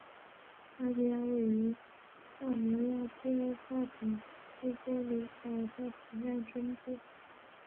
阿皮亚位于萨摩亚第二大岛乌波卢岛的北岸中部。